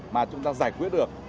mà chúng ta giải quyết được